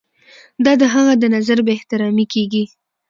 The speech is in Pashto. دا د هغه د نظر بې احترامي کیږي.